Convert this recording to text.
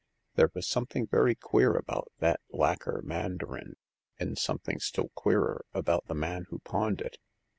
There was something very queer about that lacquer mandarin; and something still queerer about the man who pawned it.